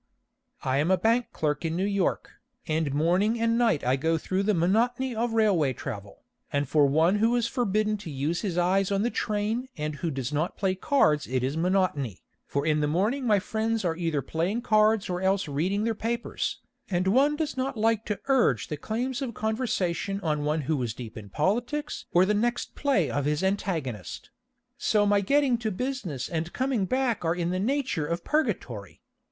I am a bank clerk in New York, and morning and night I go through the monotony of railway travel, and for one who is forbidden to use his eyes on the train and who does not play cards it is monotony, for in the morning my friends are either playing cards or else reading their papers, and one does not like to urge the claims of conversation on one who is deep in politics or the next play of his antagonist; so my getting to business and coming back are in the nature of purgatory.